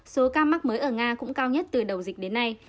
số ca mắc mới ở nga cũng cao nhất từ đầu dịch đến nay